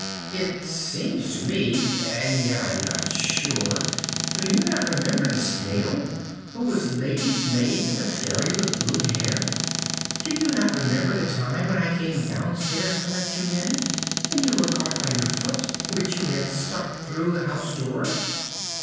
"It seems to me and yet I am not sure " "Do you not remember the Snail who was lady's maid to the Fairy with blue hair? Do you not remember the time when I came downstairs to let you in, and you were caught by your foot, which you had stuck through the house door?"